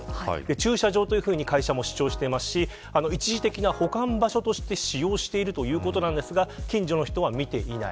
駐車場というふうに会社も主張していて一時的な保管場所として使用しているということですが近所の人は見ていない。